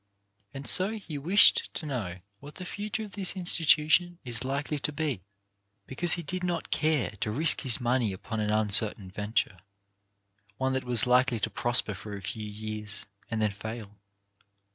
And so he wished to know what the future of this Institution is likely to be, because he did not care to risk his money upon an un certain venture, one that was likely to prosper for 165 166 CHARACTER BUILDING a few years, and then fail.